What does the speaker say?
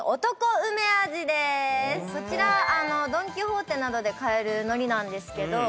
こちらドン・キホーテなどで買えるのりなんですけど。